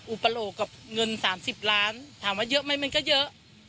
อุปโลกกับเงิน๓๐ล้านถามว่าเยอะไหมมันก็เยอะ